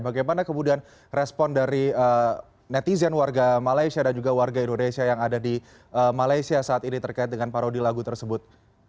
bagaimana kemudian respon dari netizen warga malaysia dan juga warga indonesia yang ada di malaysia saat ini terkait dengan parodi lagu tersebut